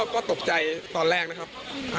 ก็ตกใจตอนแรกนะครับ